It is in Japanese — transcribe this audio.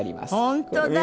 本当だ。